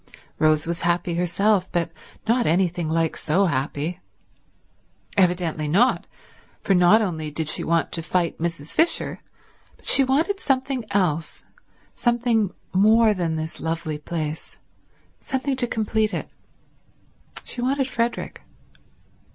Rose was happy herself, but not anything like so happy. Evidently not, for not only did she want to fight Mrs. Fisher but she wanted something else, something more than this lovely place, something to complete it; she wanted Frederick.